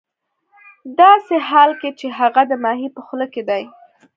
ه داسې حال کې چې هغه د ماهي په خوله کې دی